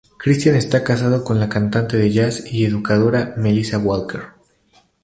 Christian está casado con la cantante de jazz y educadora Melissa Walker.